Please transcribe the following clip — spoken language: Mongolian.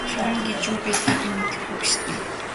Шорон гэж юу байдгийг би ямар мэдэхгүй биш дээ.